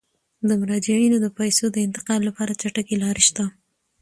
د مراجعینو د پيسو د انتقال لپاره چټکې لارې شته.